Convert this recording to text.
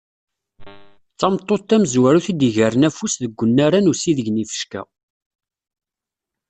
D tameṭṭut tamzwarut i d-yegren afus deg unnar-a n usideg n yifecka.